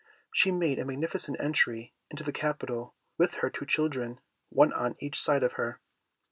She made a magnificent entry into the capital with her two children, one on each side of her.